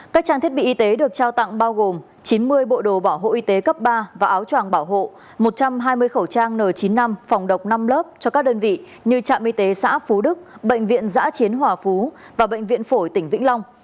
các trang thiết bị y tế được trao tặng bao gồm chín mươi bộ đồ bảo hộ y tế cấp ba và áo tròng bảo hộ một trăm hai mươi khẩu trang n chín mươi năm phòng độc năm lớp cho các đơn vị như trạm y tế xã phú đức bệnh viện giã chiến hòa phú và bệnh viện phổi tỉnh vĩnh long